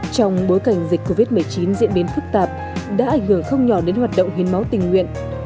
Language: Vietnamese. trong bối cảnh dịch covid một mươi chín diễn biến phức tạp đã ảnh hưởng không nhỏ đến hoạt động hiến máu tình nguyện